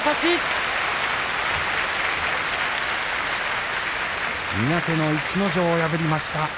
拍手苦手な逸ノ城を破りました。